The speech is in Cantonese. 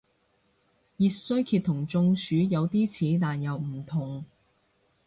熱衰竭同中暑有啲似但又唔同